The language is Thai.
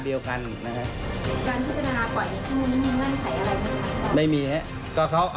ส่วนต่างกระโบนการ